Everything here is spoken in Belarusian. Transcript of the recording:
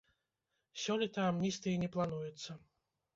Сёлета амністыі не плануецца.